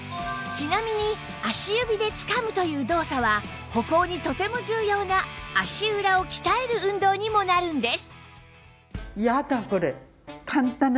ちなみに足指でつかむという動作は歩行にとても重要な足裏を鍛える運動にもなるんです